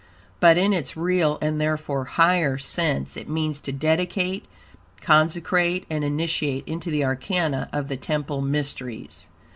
But, in its real, and therefore higher, sense, it means to dedicate, consecrate, and initiate into the arcana of the temple mysteries.